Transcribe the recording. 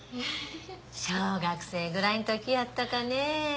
小学生くらいん時やったかね。